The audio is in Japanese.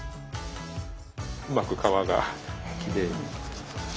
うまく皮がきれいに。